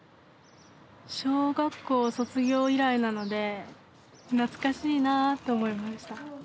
小学校卒業以来なので懐かしいなと思いました。